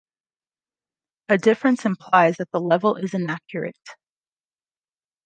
A difference implies that the level is inaccurate.